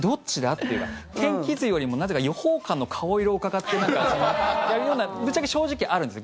って天気図よりもなぜか予報官の顔色をうかがっているようなところがぶっちゃけ、正直あるんです。